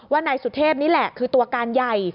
นายสุเทพนี่แหละคือตัวการใหญ่